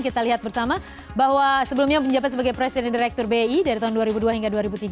kita lihat bersama bahwa sebelumnya menjabat sebagai presiden direktur bi dari tahun dua ribu dua hingga dua ribu tiga belas